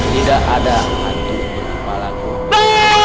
tidak ada hantu berkepala kuda